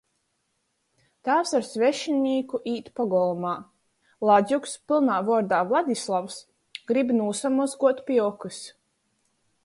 Tāvs ar svešinīku īt pogolmā. Ladzuks, pylnā vuordā Vladislavs, gryb nūsamozguot pi okys.